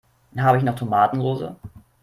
Habe ich noch Tomatensoße?